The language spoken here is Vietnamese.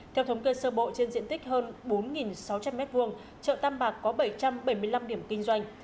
theo thống kê sơ bộ trên diện tích hơn bốn sáu trăm linh m hai chợ tam bạc có bảy trăm bảy mươi năm điểm kinh doanh